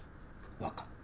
わかった。